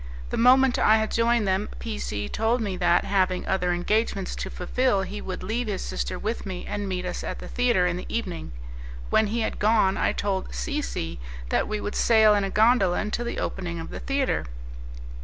The moment I had joined them, P C told me that, having other engagements to fulfil, he would leave his sister with me, and meet us at the theatre in the evening. When he had gone, I told C C that we would sail in a gondola until the opening of the theatre.